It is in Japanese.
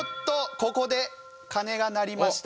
ここで鐘が鳴りました。